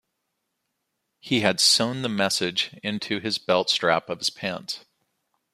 He had sewn the message into his belt strap of his pants.